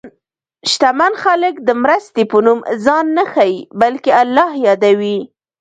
شتمن خلک د مرستې په نوم ځان نه ښيي، بلکې الله یادوي.